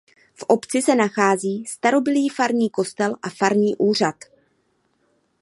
V obci se nachází starobylý farní kostel a farní úřad.